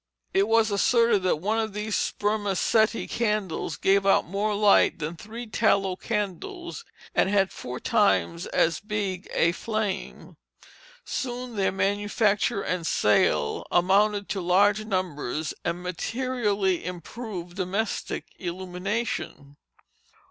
It was asserted that one of these spermaceti candles gave out more light than three tallow candles, and had four times as big a flame. Soon their manufacture and sale amounted to large numbers, and materially improved domestic illumination.